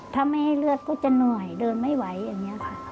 ถ้าไม่ให้เลือดก็จะเหนื่อยเดินไม่ไหวอย่างนี้ค่ะ